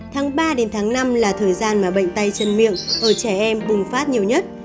tháng ba đến tháng năm là thời gian mà bệnh tay chân miệng ở trẻ em bùng phát nhiều nhất